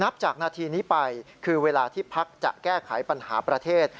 จากนาทีนี้ไปคือเวลาที่พักจะแก้ไขปัญหาประเทศ